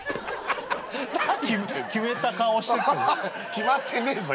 決まってねえぞ